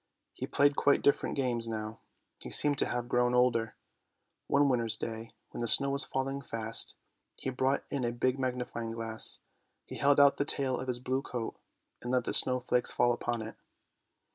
He played quite different games now; he seemed to have grown older. One winter's day, when the snow was falling fast, he brought in a big magnifying glass; he held out the tail of his blue coat, and let the snow flakes fall upon it.